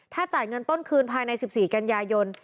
ถ้าจ่ายเงินต้นคืนภายในสิบสี่กัญญายน